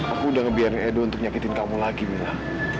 aku udah ngebiarin edo untuk nyakitin kamu lagi mila